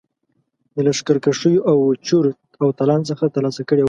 د لښکرکښیو او چور او تالان څخه ترلاسه کړي وه.